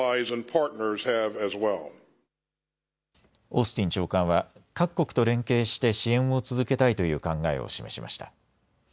オースティン長官は各国と連携して支援を続けたいという考えを示しました。